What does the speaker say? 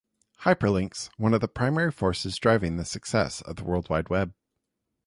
Hyperlinks, one of the primary forces driving the success of the World Wide Web.